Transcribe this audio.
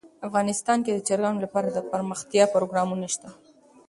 افغانستان کې د چرګانو لپاره دپرمختیا پروګرامونه شته.